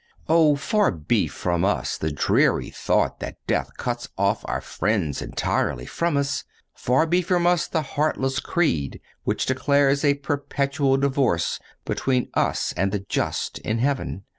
O far be from us the dreary thought that death cuts off our friends entirely from us! Far be from us the heartless creed which declares a perpetual divorce between us and the just in heaven!